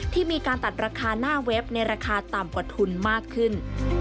มีการตัดราคาหน้าเว็บในราคาต่ำกว่าทุนมากขึ้น